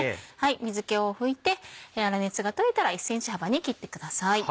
水気を拭いて粗熱が取れたら１ｃｍ幅に切ってください。